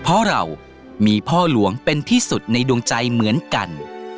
เพราะเรามีพ่อหลวงเป็นที่สุดในดวงใจเหมือนกัน